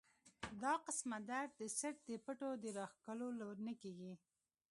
دا قسمه درد د څټ د پټو د راښکلو نه کيږي